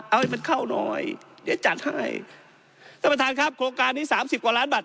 เอาให้มันเข้าหน่อยเดี๋ยวจัดให้ท่านประธานครับโครงการนี้สามสิบกว่าล้านบาท